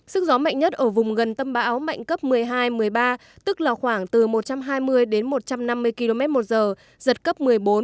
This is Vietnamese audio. sức gió mạnh nhất ở vùng gần tâm bão mạnh cấp một mươi hai một mươi ba tức là khoảng từ một trăm hai mươi đến một trăm năm mươi km một giờ giật cấp một mươi bốn